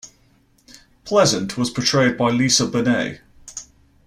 Pleasant was portrayed by Lisa Bonet.